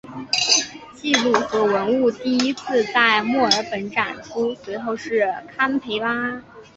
记录和文物第一次在墨尔本展出随后是堪培拉。